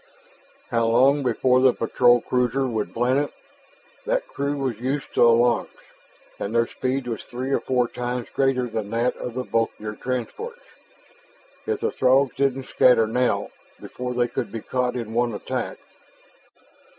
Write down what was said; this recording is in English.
How long before the patrol cruiser would planet? That crew was used to alarms, and their speed was three or four times greater than that of the bulkier transports. If the Throgs didn't scatter now, before they could be caught in one attack....